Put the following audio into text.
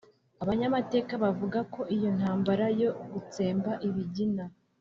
Abanyamateka bavuga ko iyo ntambara yo gutsemba Ibigina